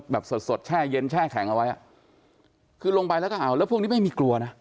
แบบสดสดแช่เย็นแช่แข็งเอาไว้อ่ะคือลงไปแล้วก็เอาแล้วพวกนี้ไม่มีกลัวนะ